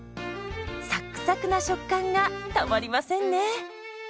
サックサクな食感がたまりませんね。